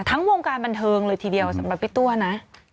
วงการบันเทิงเลยทีเดียวสำหรับพี่ตัวนะ